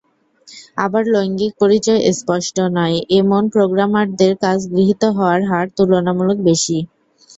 আবার লৈঙ্গিক পরিচয় স্পষ্ট নয়—এমন প্রোগ্রামারদের কাজ গৃহীত হওয়ার হার তুলনামূলক বেশি।